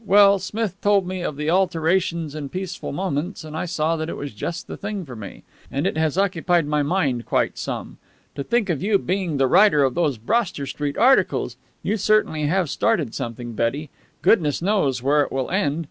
Well, Smith told me of the alterations in Peaceful Moments, and I saw that it was just the thing for me. And it has occupied my mind quite some. To think of you being the writer of those Broster Street articles! You certainly have started something, Betty! Goodness knows where it will end.